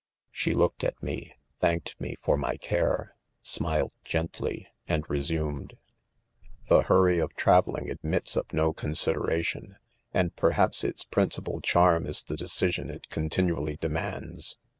She looked at me, thanked me for my care, smiled gently, and xesumed': 4 The hurry of travelling admits ©f no con sideration j and perhaps its principal charm Is THE CONFESSIONS. ' 179 'the "decision it continually demands.